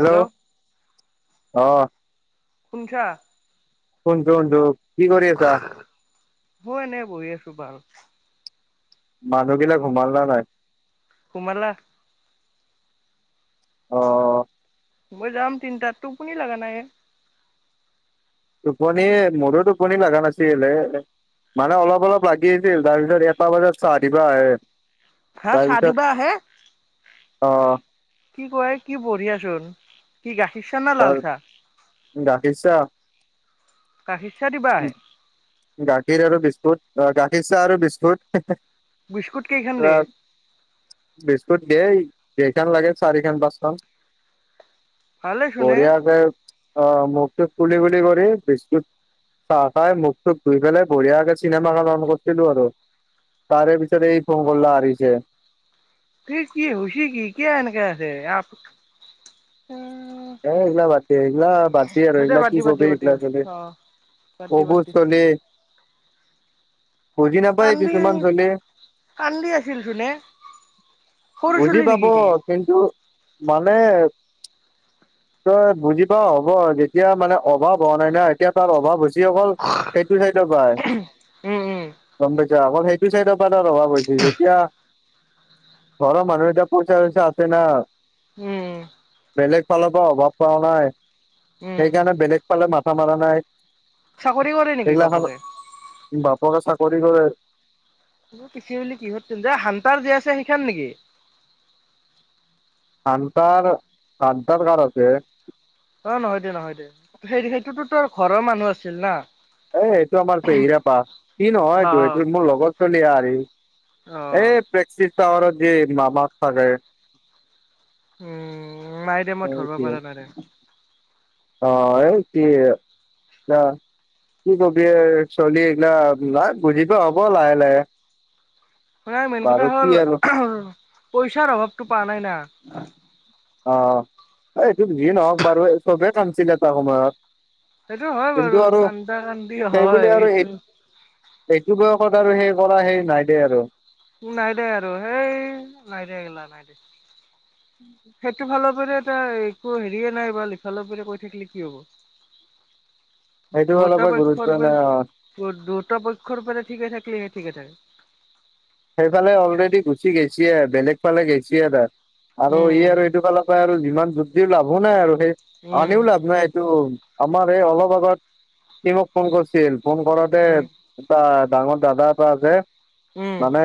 Hello অ শুনিছা কোন কোন দোপ কি কৰি আছা? হয় এনেই বহি আছো বাৰু। মানুহগীলা ঘুমাল নে নাই? গোমালা অ মই যাম তিনিটাত টোপুনি লগা নাই এ। টোপনি মোৰো টোপনি লগা নাছিলে। মানে অলপ অলপ লাগি আছিল তাৰপিছত এটাহ বজাত চাহ দিবা আহে। হা চাহ তাৰপিছত দিবা আহে অ কি কয় কি বঢ়িয়াচোন। কি গাখীৰ চাহ নে তাৰ লাল চাহ। গাখীৰ চা গাখীৰ চা দিব আহে? গাখীৰ আৰু বিস্কুট অ গাখীৰ চাহ আৰু বিস্কুট বিস্কুট কেইখন দে বিস্কুট দিয়েই দেখন লাগে চাৰি খান পাঁচ খান ভালে চোন এ বঢ়িয়া কে। অ মুখটো কুলি কুলি কৰি বিস্কুট চাহ চাহ মুখ তোক ধুই পেলাই বঢ়িয়াকে চিনেমা লগাম কৰিছিলো আৰু তাৰে পিছত এই ফোন কল এটা আহিছে। কি কি হৈছে কি কিয় এনেকা হৈছে আ এ এইগলা বাট এইগলা বাদ আৰু হ দে এইগিলা বাদ কি দি বাদ দি কবি বাদ দি এইগলা অ ব বাদ দি বাদ অবুজ দি তলি কান্দি কিছুমান চলি কান্দি আছিল চোন এ সৰু বুজি ছোৱালী পাব নেকি? কিন্তু মানে তই বুজি পাও হ'ব যেতিয়া মানে অভাৱ হোৱা নাই না এতিয়া তাৰ অভাৱ হৈছে। যিসকল সেইটো চাইডৰ পায় উম উম গম প দিয়া অকল সেইটো চাইডৰ পা এটা ৰভা বহিছিল যেতিয়া ঘৰৰ মানুহ এতিয়া পইচা চইচা আছে না। উম, বেলেগ পালৰ পৰা অভাৱ পাৱা নাই উম সেইকাৰণে বেলেগ পালে মাথা মাৰা নাই। চাকৰি কৰে নেকি সেইগিলাখন বাপকে? বাপকে চাকৰি কৰে। পিছে অলি কিহত [unintelligible] হান্তাৰ যি আছে সেখান নেকি? আন্তাৰ -আন্তাৰ কাৰ আছে। অ, নহয় দে -নহয় দে সেই -সেইটোতো তৰ ঘৰৰ মানুহ আছিল না। এ এইটো আমাৰ পেহীৰ আপা সি নহয় অ এইটো অ। -এইটো মোৰ লগত চলি আহৰি অ এ প্ৰেকচিচ টাৱাৰত যে মামাক থাকে। উম, নাই দে মই এই ধৰবা কি পাৰা নাই দে। অ, এ ইতি [unintelligible] কি কবি আৰ চলি এইগিলা [unintelligible] বুজি পোৱা হ'ব লাহে -লাহে। মানে মেইন বাৰু কথা কি হ'ল আৰু পইচাৰ অভাৱটো পাৱা নাই না। অ, এইটো যি নহওক বাৰু চবে কানদছিল এটা সময়ত। সেটো হয় কিন্তু বাৰু আৰু কান্দা কান্দি সেই বুলি হয় আৰু এই এইটো এইটো বয়সত আৰু সেই কৰা সেই নাই দে আৰু। তোৰ নাই দে আৰু হেই নাই দে এইগিলা নাই [inaudible] সেটো ফালৰ পৰা তই একো হেৰিয়ে নাই বাল ইফালৰ পেৰে কৈ থাকলি কি হ'ব! ! ! সেইটো অলপো গুৰুত্ব নাই অ, [unintelligible] দুটা পক্ষৰ পৰা ঠিকে থাকিলিহে ঠিকে থাকে। সেইফালে অলৰেডি গুচি গেইছি আৰ বেলেগ ফালে গেইছি আৰ তাৰ আৰু ই উম আৰু এইটো ফালৰ পা আৰু যিমান যোগদি লাভো নাই আৰু। হে উম আনিও লাভ নাই এইটো। আমাৰ এই অলপ আগত সি মোক ফোন কৰিছিল ফোন কৰতে উম উম এটা ডাঙৰ দাদা এটা আছে উম মানে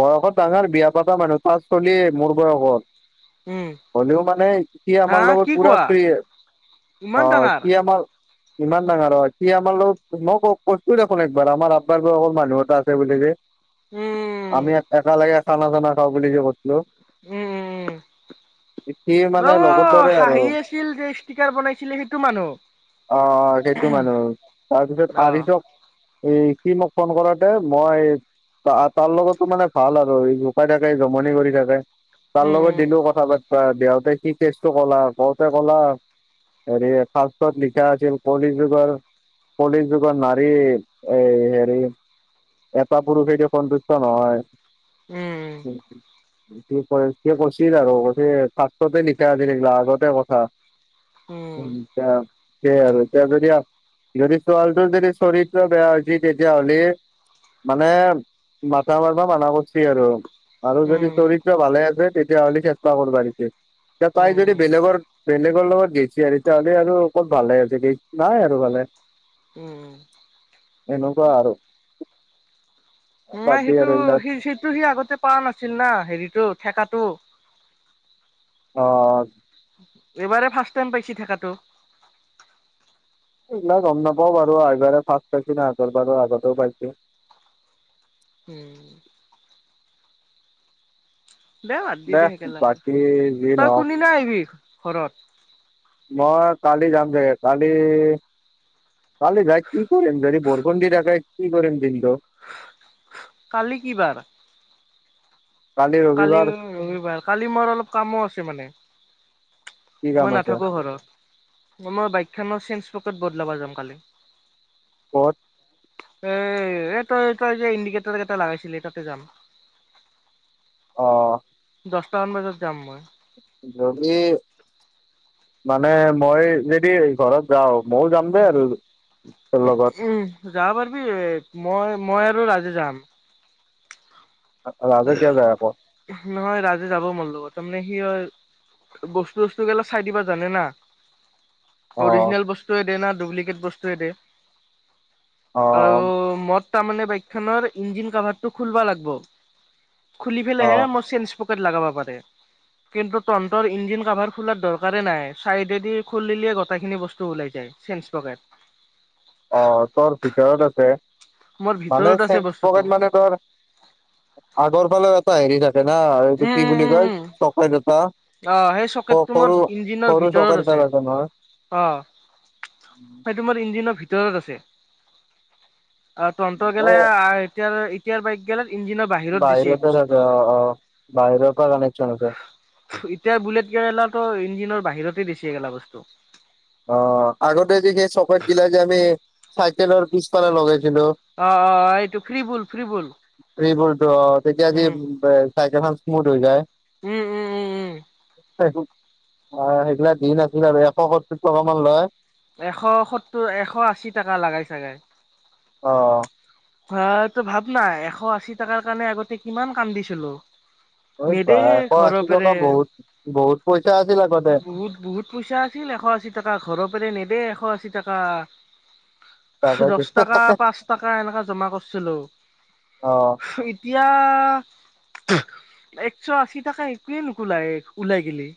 বয়সত ডাঙৰ বিয়া পাতা মানুহ তাৰ চলিয়ে মোৰ বয়সত উম। হলেও মানে ই হা আমাৰ কি লগত পুৰা কোৱা ফ্ৰী। ইমান অ, ডাঙৰ? সি আমাৰ ইমান ডাঙৰ অ, সি আমাৰ লগ মই ক- ক কৈছো দেখোন একবাৰ আমাৰ আব্বাৰ বয়সৰ মানুহ এটা আছে বুলি যে। উম, আমি একালাগে খানা চানা খাওঁ বুলি যে কছলো। সি উম-উম-উম মানে অ, লগত দৰে আৰু হাঁহি আছিল যে ষ্টিকাৰ বনাইছিলে সেইটো মানুহ? অ, সেইটো মানুহ তাৰপিছত অ। আৰ্হিথক এই সি মোক ফোন কৰাতে মই তা-তাৰ লগতো মানে ভাল আৰু জোকাই থাকে জমনি কৰি থাকে। তাৰ লগত উম দিলো কথা পাতবা দেওতে সি কেচটো ক'লা কওঁতে ক'লা হেৰি শাস্ত্ৰত লিখা আছিল কলি যুগৰ কলি যুগৰ নাৰী এ হেৰি এটা পুৰুষেই দিয়ক সন্তুষ্ট নহয়। উম সি কয় সি কৈছিল আৰু [unintelligible] আগতে কথা। উম [unintelligible] সেয়া আৰু এতিয়া যদি- যদি ছোৱালীটোৰ যদি চৰিত্ৰ বেয়া হৈছি তেতিয়া হলি মানে মাথা মাৰবা মানা কৰিছি আৰু আৰু উম উম যদি চৰিত্ৰ ভালে আছে তেত তেতিয়া হ'লে ফেচলা কৰিব দিদে তাই যদি উম। বেলেগৰ- বেলেগৰ লগত গেইছি আৰু এতিয়া‌ হলে আৰু ক'ত ভালে আছে গেই নাই আৰু ভালে। উম, এনেকুৱা আৰু বাদ নাই দি সেইটো আৰু এইবিলাক সি সেইটো সি আগতে পোৱা নাছিল না হেৰিতটো ঠেকাটো অ এইবাৰে ফাৰ্ষ্ট টাইম পাইছি থাকটো এইবিলাক গম নাপাও বাৰু আগাৰে ফাৰ্ষ পাইছে আগাৰ বাৰ আগতেও পাইছে উম দে বাত দি দে সেই কেলাটো বাকী যি তই নহওক কোনদিনা আহিবি ঘৰত মই কালি যাম দেগে কালি কালি যাই কি কৰিম যদি বৰষুণ দি থাকে কি কৰিম দিনটো কালি কি বাৰ? কালি ৰবি বাৰ কালি মোৰ অলপ কামো আছে মানে কি কাম মই আছে নাথাকো ঘৰত মই বাইকখনৰ চেঞ্জ পকেট বদলাব যাম কালি কত এ এই তই তই যে ইণ্ডিকেটৰ কেইটা লগাইছিলি তাতে যাম অ দহটামান বজাত যাম মই যদি মানে মই যদি ঘৰত যাও মইও যাম দেই আৰু তেওঁ লগত। উম যাব পাৰিবি মই মই আৰু ৰাজে যাম। ৰাজে কিয় যায় আকৌ। নহয় ৰাজে যাব মোৰ লগত তাৰমানে সি হয় বস্তু বস্তু গিলা চাই দিবা জানে না। অ অৰিজিনেল বস্তুৱে দে না ডুপ্লিকেট বস্তুৱে দে অ আৰু মদ তাৰ মানে বাইক খনৰ ইঞ্জিন কভাৰ টো খুলবা লাগব। খুলি অ পেলাহে মোৰ চেন‌ স্পকেট লগাব পাৰে। কিন্তু তহঁতৰ ইঞ্জিন কাভাৰ খোলাৰ দৰকাৰে নাই চাইডেদি খুলিলে গোটেইখিনি বস্তু ওলাই যায়। চেন্ঞ্চ পকেট [unintelligible] অ তোৰ ভিতৰত আছে মোৰ মানে ভিতৰত আছে চেন বস্তুটো ইচপকেত মানে তোৰ আগৰ ফালেও এটা হেৰি থাকে না এইটো উম কি উম বুলি উম কয় উম চকেট এটা অ সেই চকেতটো সৰু মোৰ ইঞ্জিনৰ সৰু চকেট ভিতৰত এটা আছে থাকে নহয় অ সেই তোমাৰ ইঞ্জিনৰ ভিতৰত আছে অ তন্ত গেলাই এ এতিয়াৰ এতিয়াৰ বাইক গেলাত ইঞ্জিনৰ বাহিৰত দিছে বস্তুটো বাহিৰ ৰ পৰা কানেকশ্বন আছে এতিয়া বুলেট কেৰেলাত ইঞ্জনৰ বাহিৰতেই দিছি এগেলা বস্তু অ আগতে যে সেই চকেট গিলা যে আমি চাইকেলৰ পিছফালে লগাইছিলো। অ অ এইটো ফ্ৰীবুল ফ্ৰীবুল। টো এইবোৰ ত তেতিয়া যে উম চাইকেলখন স্মুথ হৈ যায়। উম উম উম উম। অ সেইগিলা দিন আছিল আৰু এশ সত্তৰ টকা মান লয়। এশ সত্তৰ এশ আশী টকা লাগাই চাগে। অ। হ এইটো ভাৱ নাই এশ আশী টকাৰ কাৰণে আগতে কিমান কান্দিছিলোঁ। এই বা নেদেহে এশ ঘৰৰ আশী পেৰে টকা বহুত বহুত পইচা আছিল আগতে বহুত বহুত। পইচা আছিল এশ আশী টকা ঘৰৰ পেৰে নেদে এশ আশী টকা। দচ তাকেটো টকা পাঁচ টকা এনেকা জমা কৰিছিলোঁ। অ এতিয়া একশ আশী টাকে একোৱেন নুকোলাই ওলাই গিলি।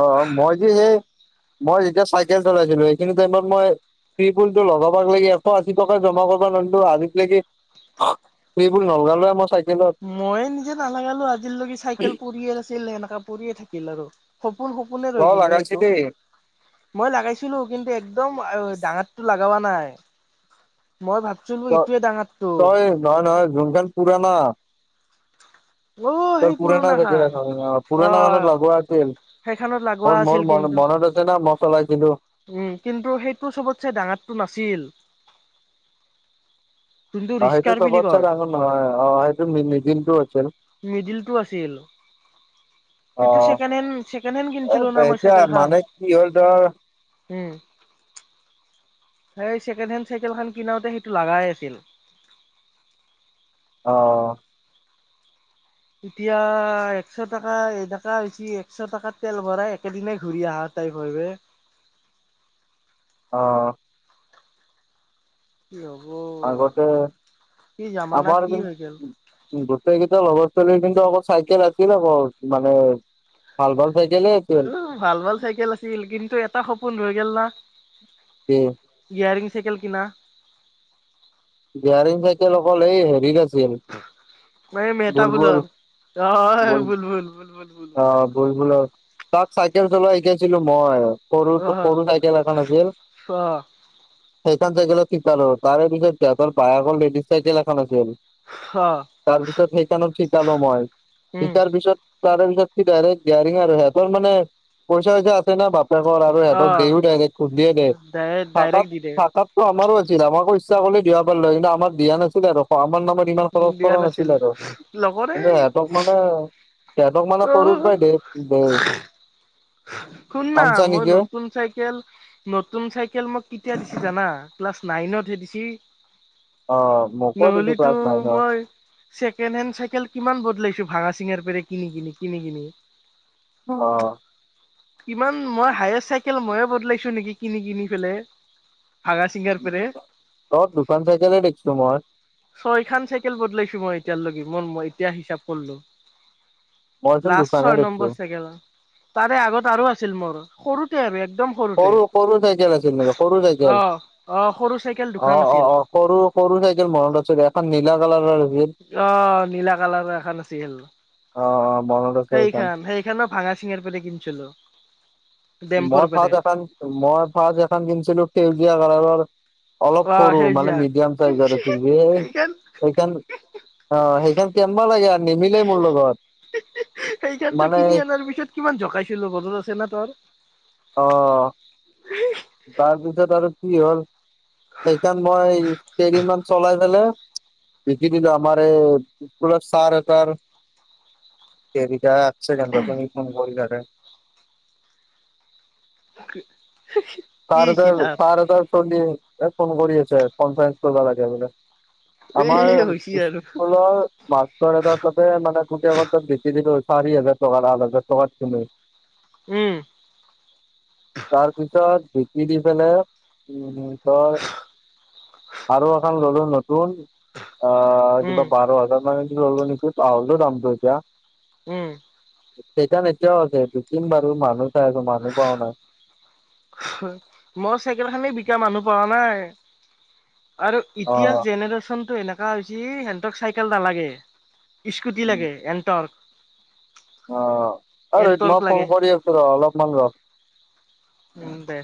অ মই যে সেই মই যেতিয়া চাইকেল চলাইছিলো সেইখিনি টাইমত মই তিপুল টো লগাব লাগে এশ আশী টকা জমা কৰিবা নোৱাৰিলোঁ আজিলৈকে সেইবোৰ নলগাঁলো আমাৰ চাই মইয়ে নিজে নালাগালো আজিলৈকে চাইকেল পৰিয়ে আছিল সেনেকা পৰিয়ে থাকিল আৰু। সপোন-সপোন ৰৈ তই গেল বে এইটো। লাগাইছিলি মই লগাইছিলো কিন্তু একদম ডাঙৰটো লগাব নাই। মই ভাব তই নহয়-নহয় যোনখান পুৰানা, অ ত সেই পুুৰনা পুৰণা চাগে খান অ, অ পুৰণা খনত লগুৱা আছিল। সেইখনত লাগোৱা মোৰ-মোৰ আছিল ম কিন্তু মনত আছে না মই চলাইছিলো। উম, কিন্তু সেইটো চবতছে ডাঙাতটো নাছিল। যোনটো অ, সেইটো ৰিস্কাৰ বুলি চবতচে কয় ডাঙৰ নহয় অ, সেইটো মিদিলটো আছিল। মিডিল টো আছিল। সেইটো অ', ছেকেণ্ডহেণ্ড-ছেকেণ্ডহেণ্ড এ কিনছিলো না মই এতিয়া চাইকেল খন। মানে কি হ'ল ধৰ উম, সেই ছেকেণ্ড হেণ্ড চাইকেলখন কিনাওতে সেইটো লগাই আছিল। অ', এতিয়া একশ টকা এনেেকা হৈছে একশ টকাত তেল ভৰাই, একেদিননে ঘূৰি আহাত [unintelligible] অ, কি হ'ব আগতে কি জামানা আমাৰ কি হৈ গ'ল। কিন্তু গোটেই গেইটা লগৰ ছোৱালী কিন্তু অ', চাইকেল আছিল আক মানে ভাল-ভাল চাইকেল উ, ভাল-ভাল চাইকেল আছিল কিন্তু এটা সপোন হৈ গল না। গীয়াৰিং চাইকেল কিনা, গীয়াৰিং চাইকেল অকল এই হেৰিত আছে। ম মেটা বুলত অ, বুল বুলবুল-বুলবুল-বুলবুল, অ, বুলবুল তাক চাইকেল চলোৱা শিকাইছিলো মই। সৰু-সৰু চাইকেল এখন আছিল। অ অ সেইখন চাইকেলৰ কৃপাত আৰু তাৰে পিছত সিহতঁৰ বায়েকৰ লেডিজ চাইকেল এখন আছিল। অ', তাৰপিছত সেইখনত শিকালো মই, উম, শিকাৰ পিছত তাৰপিছত সি ডাইৰেক্ট কগীয়াৰিং আৰু সিহঁৰ মানে পইচা চইচা আছে বাপ আৰু সিহঁত অ'। দেও নাই ন খুন্দিয়ে নিয় ডাইৰে ডাইৰেক্ট দি দে, থাকাত-থাকাত। ত' আমাৰো আছিল আমোকো ইচ্ছা কৰিলে দিব পাৰলে কিন্তু আমাৰ দিয়া নাছিলে আৰু খোৱাৰ নামত। ইমান খৰচ কৰা নাছিল আৰু লগৰে কিন্তু সিহঁতক মানে সিহঁতক মানে সৰুৰ অ', পাই দে দেই। শুননা মই নতুন চাইকেল নতুন চাইকেল মই কেতিয়া দিছি জানা ক্লাছ নাইনতহে দিছি। অ মোকো দিছো নহ'লিতো ক্লাছ নাইনত মই ছেকেণ্ড হেণ্ড চাইকেল কিমান বদলাইছো ভাঙা চিঙাৰ পেৰে কিনি-কিনি-কিনি-কিনি। অ', কিমান মই হায়েষ্ট চাইকেল মইয়ে বদলাইছো নেকি কিনি-কিনি পেলে? ভাঙা চিঙা পেৰে। তত দোখান চাইকেলে দেখছো মই। ছয় খান চাইকেল বদলাইছো মই এতিয়ালৈকে মই-মই এতিয়া হিচাপ কললো। মইচোন লাষ্ট দুখনহে ছয় দেখিছো নম্বৰ চাইকেল তাৰে আগত আৰু আছিল মোৰ সৰুতে আৰু একদম সৰুতে সৰু-সৰু চাইকেল আছিল নে সৰু অ চাইকেল সৰু চাইকেল অ, অ, দুখন আছিল অ, সৰু-সৰু চাইকেল মনত আছে এখন নীলা কালাৰৰ আছিল। অ, নীলা কালাৰৰ এখন আছিল অ অ মনত আছে সেইখান সেই সেইখনো ভাঙা চিঙা পৰাই কিনিছিলোঁ। মই ফাৰ্ষ্ট এখন মই ফাৰ্ষ্ট এখন কিনিছিলোঁ সেউজীয়া [unintelligible] অলপ অ হৰোঁ মানে সেউজীয়া মিডিয়াম চাইজৰে আছিল [unintelligible] সেইখন সেইকান অ', সেইখন কেনবা লাগে আৰু নিমিলে মোৰ লগত সেইখনতো মানে কিনি অনাৰ পিছত কিমান জকাইছিলো মনত আছে না তৰ। অ', তাৰপিছত আৰু কি হ'ল। সেইকাৰণ মই কেইদিন মান চলাই পেলাই বিকি দিলোঁ আমাৰে বকুল চাৰ এটাৰ ছেকেণ্ডত [inaudible] [unintelligible] ত তাৰ এটা তাৰ এটাৰ ফোন দি মই ফোন কৰি আছোঁ আৰু পঞ্চাছ টকা লাগে বোলে। আমাৰ এ হৈছি আৰু স্কুলৰ মাষ্টাৰ এটাৰ মানে পুতেক হতক বেছি দিলো চাৰি হাজাৰ টকাত আঠ হাজাৰ টকাত কিনি। উম। তাৰ পিছত বিকি দি পেলাই উম, ধৰ আৰু এখন ললোঁ নতুন অ, উম কিবা বাৰ হাজাৰ মানে মনে [inaudible] নিকি পাহৰিলো দামটো এতিয়া। উম। সেইখন এতিয়াও আছে বিকিম বাৰু মানু্হ চাই আছোঁ মানু্হ পোৱা নাই। মই চাইকেল খানি বিকা মানুহ পোৱা নাই। আৰু অ ইতিয়া জেনেৰেশ্যনটো এনেকা হৈছে সিহতক চাইকেল নালাগে। স্কুটি লাগে এনটৰ্ক। অ, আৰু এনটৰ্ক মই লাগে ফোন কৰি আছোঁ ৰ অলপমান ৰ। উম দে।